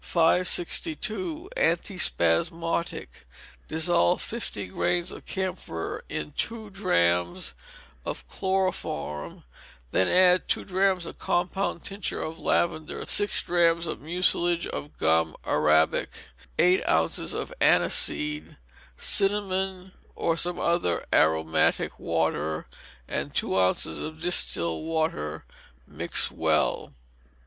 562. Antispasmodic. Dissolve fifty grains of camphor in two drachms of chloroform, and then add two drachms of compound tincture of lavender, six drachms of mucilage of gum arabic, eight ounces of aniseed, cinnamon, or some other aromatic water, and two ounces of distilled water; mix well.